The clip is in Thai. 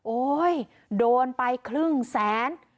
โอ๊ยโดนไปครึ่งแสน